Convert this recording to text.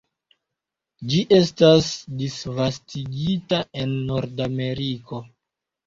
Ĝi estas disvastigita en Nordameriko.